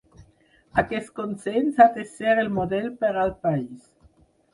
Aquest consens ha de ser el model per al país.